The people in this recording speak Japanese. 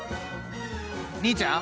お兄ちゃん。